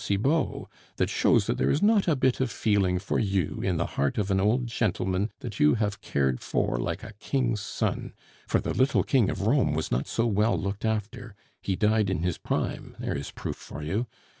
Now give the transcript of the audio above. Cibot,' that shows that there is not a bit of feeling for you in the heart of an old gentleman that you have cared for like a king's son! for the little King of Rome was not so well looked after. He died in his prime; there is proof for you....